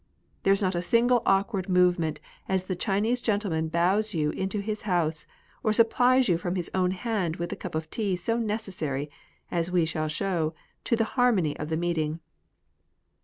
There is not a single awkward movement as the Chinese gentleman bows you into his house, or sup plies you from his own hand with the cup of tea so necessary, as we shall show, to the harmony of the meeting.